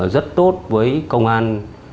rất tốt với công an